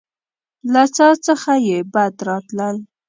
له څاه څخه يې بد راتلل.